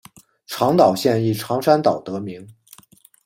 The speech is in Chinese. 长岛县以长山岛得名。